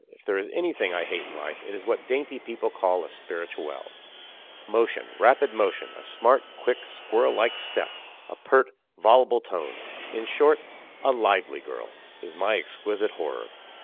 If there is anything I hate in life, it is what dainty people call a spirituelle. Motion rapid motion a smart, quick, squirrel like step, a pert, voluble tone in short, a lively girl is my exquisite horror!